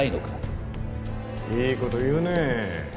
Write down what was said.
いい事言うねえ。